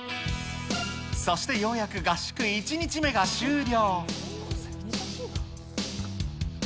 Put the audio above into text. そしてようやく合宿１日目が終了。